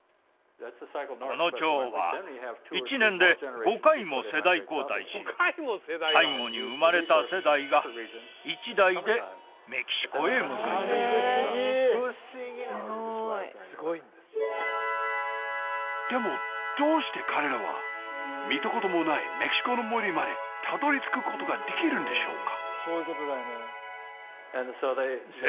この蝶は１年で５回も世代交代し最後に生まれた世代が一代でメキシコへ向かいますでもどうして彼らは見たこともないメキシコの森までたどり着くことができるんでしょうか？